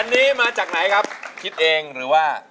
อันนี้มาจากไหนครับคิดเองหรือว่า